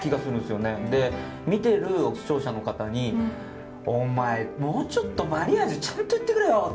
見てる視聴者の方に「お前もうちょっとマリアージュちゃんと言ってくれよ！